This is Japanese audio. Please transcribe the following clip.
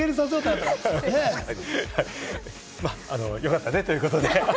まぁ、よかったねということで。